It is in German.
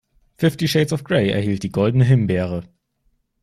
Fifty Shades of Grey erhielt die Goldene Himbeere.